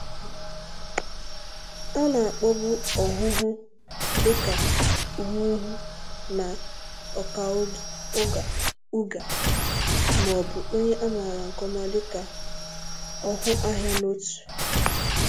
A na-akpọbu Ohuhu dịka Umuhu-na-Okaiuga, ma ọ bụ onye a maara nke ọma dịka Ọhu-ahia-na-otu.